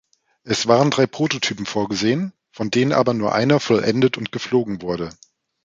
Es waren drei Prototypen vorgesehen, von denen aber nur einer vollendet und geflogen wurde.